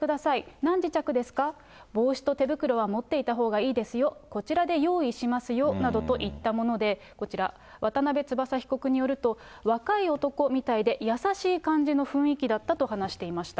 何時着ですか、帽子と手袋は持っていたほうがいいですよ、こちらで用意しますよなどといったもので、こちら、渡邊翼被告によると、若い男みたいで、優しい感じの雰囲気だったと話していました。